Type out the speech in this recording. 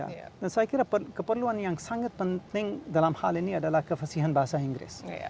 dan saya kira keperluan yang sangat penting dalam hal ini adalah kefasihan bahasa inggris